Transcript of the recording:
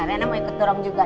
karena mau ikut dorong juga